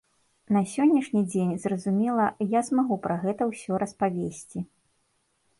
На сённяшні дзень, зразумела, я змагу пра гэта ўсё распавесці.